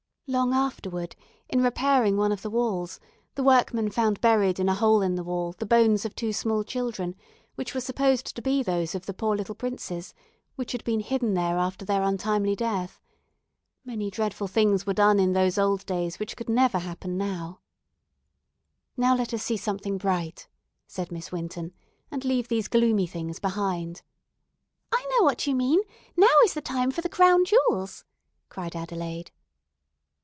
"Long afterward, in repairing one of the walls, the workmen found buried in a hole in the wall the bones of two small children, which were supposed to be those of the poor little princes, which had been hidden there after their untimely death. Many dreadful things were done in those old days which could never happen now." "Now let us see something bright," said Miss Winton, "and leave these gloomy things behind." "I know what you mean; now is the time for the 'Crown Jewels,'" cried Adelaide.